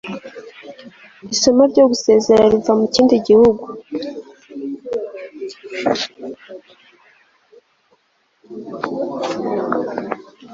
isoko ryo gusezera riva muri kindi gihugu